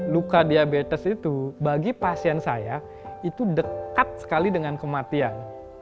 luka diabetes itu bagi pasien saya itu dekat sekali dengan kematian